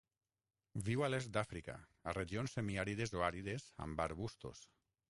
Viu a l'est d'Àfrica, a regions semiàrides o àrides amb arbustos.